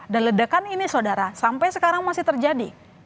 dan ledakan ini saudara sampai sekarang masih terjadi